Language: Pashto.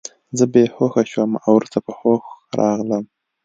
زه بې هوښه شوم او وروسته په هوښ راغلم